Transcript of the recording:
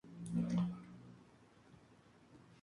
Arte electrónico: Daniel Zacarías.